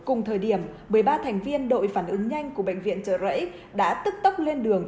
cùng thời điểm một mươi ba thành viên đội phản ứng nhanh của bệnh viện trợ rẫy đã tức tốc lên đường